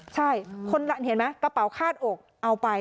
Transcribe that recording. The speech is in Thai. ใช่คนเห็นไหมกระเป๋าคาดอกเอาไป